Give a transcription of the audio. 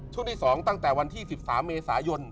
ช่วงที่๒ตั้งแต่วันที่๑๓เมษายน